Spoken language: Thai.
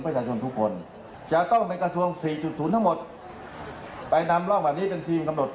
ใครรับที่จะยืนมานะคันนี้นะครับ